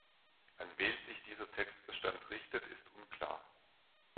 An wen sich dieser Textbestand richtet, ist unklar.